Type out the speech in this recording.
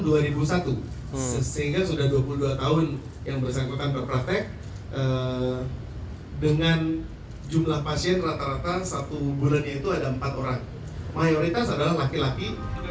dengan jumlah pasien rata rata satu bulan yaitu ada empat orang mayoritas adalah laki laki